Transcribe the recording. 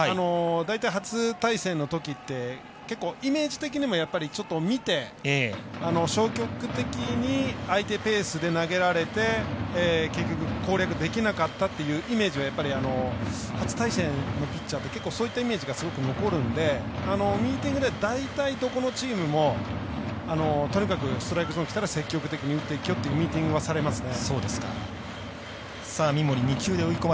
大体、初対戦のときって結構、イメージ的にもちょっと見て、消極的に相手ペースで投げられて結局攻略できなかったっていうイメージが初対戦のピッチャーってそういったイメージがすごく残るのでミーティングでは大体、どこのチームもとにかくストライクゾーンきたら積極的に打っていけよというミーティングはされますね。